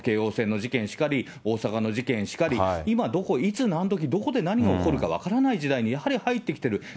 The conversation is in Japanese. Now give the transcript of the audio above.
京王線の事件しかり、大阪の事件しかり、今、どこ、いつ、なんどき、どこで何が起こるか分からない時代に、やはり今、入ってきている。